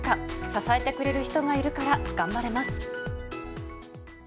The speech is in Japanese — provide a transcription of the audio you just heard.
支えてくれる人がいるから頑張れます。